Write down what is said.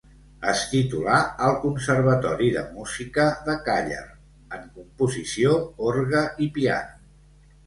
Es titulà al conservatori de música de Càller en composició, orgue i piano.